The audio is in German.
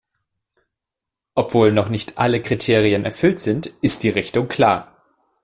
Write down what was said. Obwohl noch nicht alle Kriterien erfüllt sind, ist die Richtung klar!